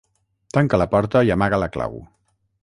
Tanca la porta i amaga la clau.